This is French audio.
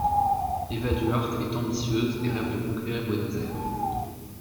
Eva Duarte est ambitieuse et rêve de conquérir Buenos Aires.